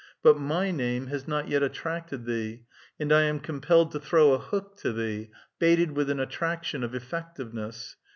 , but my name, has not yet attracted thee, and I am compelled to throw a hook to thee, baited with an attrac tion of effectiveness.